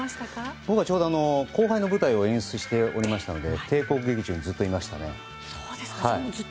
僕はちょうど後輩の舞台を演出しておりましたので稽古場にずっといましたね。